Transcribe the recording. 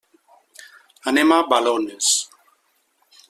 Anem a Balones.